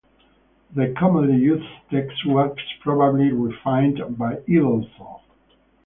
The commonly used text was probably refined by Idelsohn.